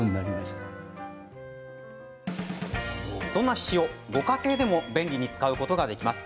ひしおは、家庭でも便利に使うことができます。